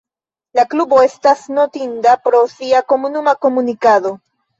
La klubo estas notinda pro sia komunuma komunikado.